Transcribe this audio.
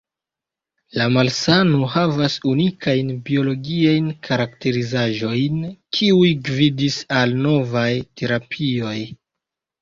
La malsano havas unikajn biologiajn karakterizaĵojn, kiuj gvidis al novaj terapioj.